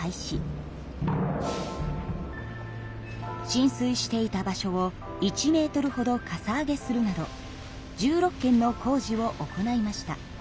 浸水していた場所を１ｍほどかさ上げするなど１６件の工事を行いました。